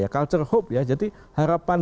culture hope ya jadi harapan